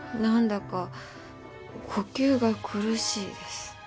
何だか呼吸が苦しいです。